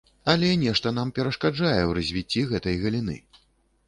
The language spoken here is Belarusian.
Але нешта нам перашкаджае ў развіцці гэтай галіны.